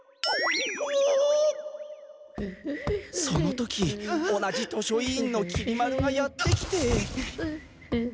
その時同じ図書委員のきり丸がやって来て。